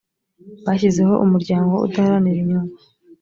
bashyizeho umuryango udaharanira inyungu